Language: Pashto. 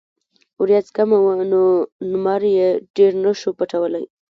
وريځ کمه وه نو نمر يې ډېر نۀ شو پټولے ـ